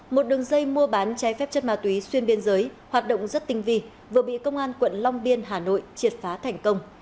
một đường dây mua bán trái phép chất ma túy xuyên biên giới hoạt động rất tinh vi vừa bị công an quận long biên hà nội triệt phá thành công